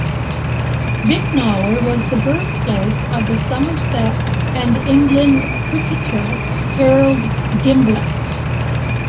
Bicknoller was the birthplace of the Somerset and England cricketer Harold Gimblett.